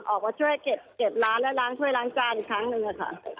ออกมาช่วยเก็บร้านและล้างถ้วยล้างจานอีกครั้งหนึ่งค่ะ